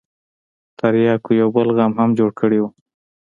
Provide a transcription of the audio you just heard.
ترياکو يو بل غم هم جوړ کړى و.